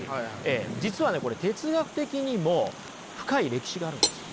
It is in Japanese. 実はねこれ哲学的にも深い歴史があるんですよ。